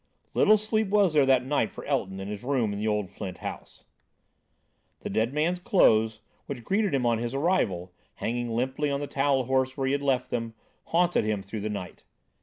Little sleep was there that night for Elton in his room in the old flint house. The dead man's clothes, which greeted him on his arrival, hanging limply on the towel horse where he had left them, haunted him through the night.